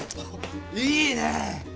いいねぇ！